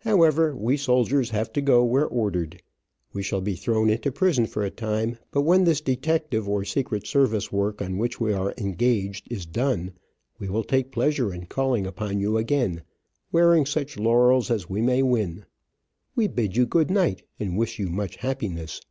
However, we soldiers have to go where ordered. We shall be thrown into prison for a time, but when this detective or secret service work on which we are engaged is done, we will take pleasure in calling upon you again, wearing such laurels as we may win. We bid you good night, and wish you much happiness."